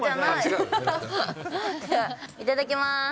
いただきます。